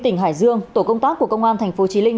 tỉnh hải dương tổ công tác của công an tp chí linh